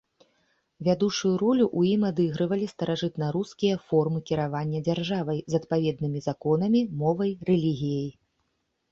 Вядучую ролю ў ім адыгрывалі старажытнарускія формы кіравання дзяржавай з адпаведнымі законамі, мовай, рэлігіяй.